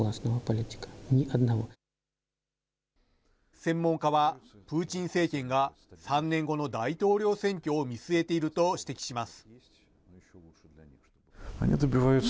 専門家はプーチン政権が３年後の大統領選挙を見据えていると指摘します。